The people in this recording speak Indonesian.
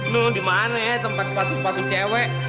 nuh dimana ya tempat sepatu sepatu cewek